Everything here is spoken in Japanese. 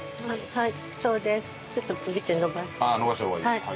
はい。